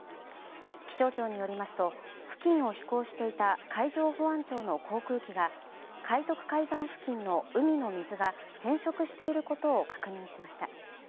気象庁によりますと付近を飛行していた海上保安庁の航空機が海徳海山付近の海の水が、変色していることを確認しました。